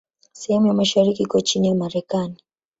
Sehemu ya mashariki iko chini ya Marekani.